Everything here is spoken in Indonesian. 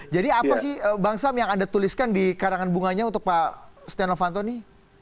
jadi apa sih bang sam yang anda tuliskan di karangan bunganya untuk pak setia novanto ini